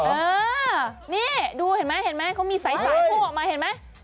เออนี่ดูเห็นไหมเห็นไหมเขามีสายโพกออกมาเห็นไหม